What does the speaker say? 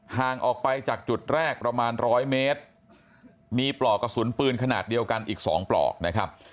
ห่างออกไปจากจุดแรกประมาณร้อยเมตรมีปลอกกระสุนปืนขนาดเดียวกันอีก๒ปลอกนะครับ